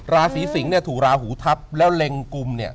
ราศีสิงศ์เนี่ยถูกราหูทับแล้วเล็งกุมเนี่ย